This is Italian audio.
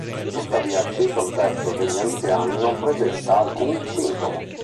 Tuttavia, circa un terzo degli anziani non presenta alcun sintomo.